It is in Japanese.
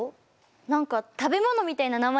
何か食べ物みたいな名前ですね！